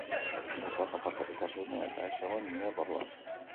Autoak aparkatuta zeuden eta ez zegoen inor barruan.